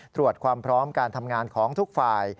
ตรวจความพร้อมการทำงานของทุกฝ่าย